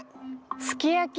すき焼き！